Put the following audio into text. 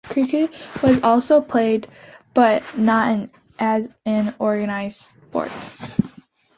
Cricket was also played but not as an organized sport.